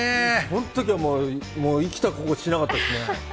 その時は生きた心地しなかったですね。